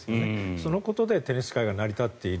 そのことでテニス界が成り立っている。